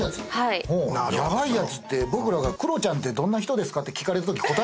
「ヤバいやつ」って僕らが「クロちゃんってどんな人ですか」って聞かれたとき答えるやつ。